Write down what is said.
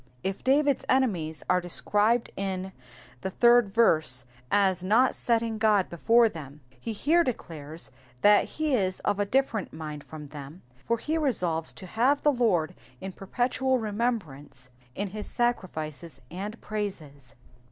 If David^s enemies are described in the third verse as not setting God before them, he here declares that he is of a different mind from them, for he resolves to have the Lord in perpetual remembrance in his sacrifices and praises.